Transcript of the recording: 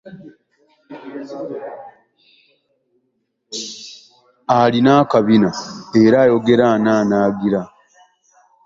Alina akabina era ayogera anaanaagira.